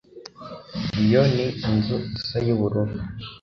iyo ni inzu isa yubururu